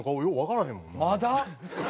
まだ？